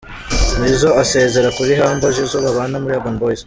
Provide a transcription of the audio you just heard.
Nizzo asezera kuri Humble Jizzo babana muri Urban Boys.